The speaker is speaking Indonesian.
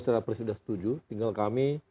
secara persis sudah setuju tinggal kami